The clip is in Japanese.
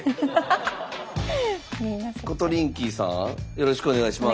よろしくお願いします。